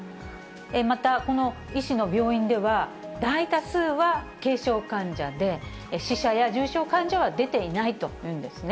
また、この医師の病院では、大多数は軽症患者で、死者や重症患者は出ていないというんですね。